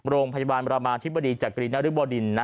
โรงพยาบาลบริมดิจักรีนริปดิน